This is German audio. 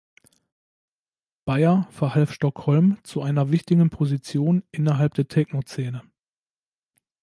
Beyer verhalf Stockholm zu einer wichtigen Position innerhalb der Techno-Szene.